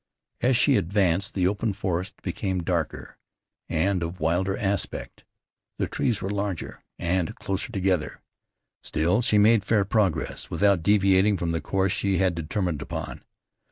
As she advanced the open forest became darker, and of wilder aspect. The trees were larger and closer together. Still she made fair progress without deviating from the course she had determined upon.